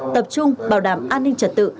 tập trung bảo đảm an ninh trật tự